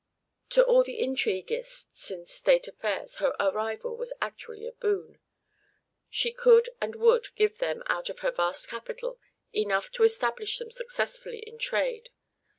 To all the intriguists in state affairs her arrival was actually a boon. She could and would give them, out of her vast capital, enough to establish them successfully in trade.